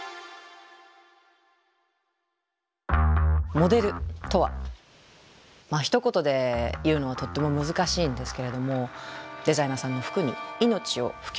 モデルとはまあひと言で言うのはとっても難しいんですけれどもデザイナーさんの服に命を吹き込む。